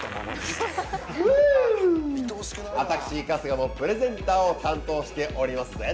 私、春日もプレゼンターを担当しておりますぜ。